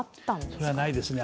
それはないですね。